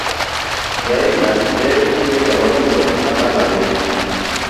Zaina ne ochwe ng'ama muol ka maliaka